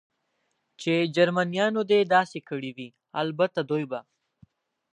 چې جرمنیانو دې داسې کړي وي، البته دوی به.